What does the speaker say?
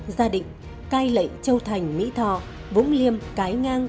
gia định cai lệ châu thành mỹ thò vũng liêm cái ngang